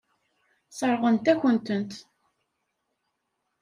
Sseṛɣent-akent-ten.